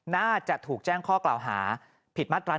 น่าจะถูกแจ้งข้อกล่าวหาผิดมาตรา๑